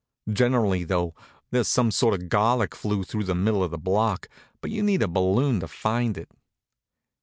Generally though, there's some sort of garlic flue through the middle of the block, but you need a balloon to find it.